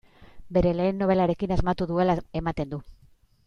Bere lehen nobelarekin asmatu duela ematen du.